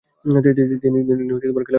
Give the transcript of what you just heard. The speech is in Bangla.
তিনি খেলাফত লাভ করেন।